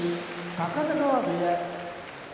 高田川部屋